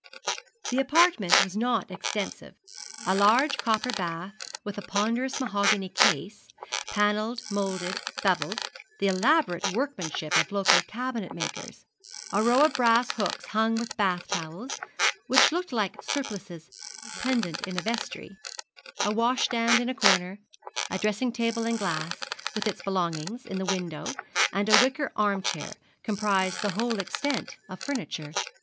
The apartment was not extensive. A large copper bath with a ponderous mahogany case, panelled, moulded, bevelled, the elaborate workmanship of local cabinet makers; a row of brass hooks hung with bath towels, which looked like surplices pendent in a vestry; a washstand in a corner, a dressing table and glass, with its belongings, in the window, and a wicker arm chair, comprised the whole extent of furniture.